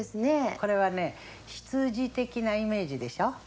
これはね、ひつじ的なイメージでしょ。